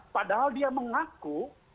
padahal dia mengaku